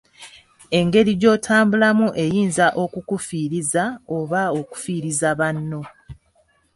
Engeri gy'otambulamu eyinza okukufiiriza oba okufiiriza banno.